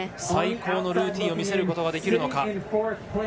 最高のルーティンを見せることができるか。